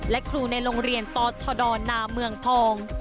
และครูในโรงเรียนตชดนามเมืองทอง